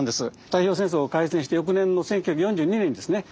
太平洋戦争を開戦して翌年の１９４２年にですね